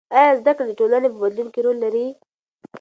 آیا زده کړه د ټولنې په بدلون کې رول لري؟